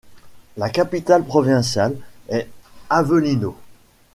La capitale provinciale est Avellino.